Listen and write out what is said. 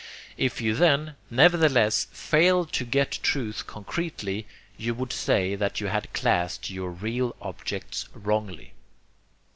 If you then, nevertheless, failed to get truth concretely, you would say that you had classed your real objects wrongly.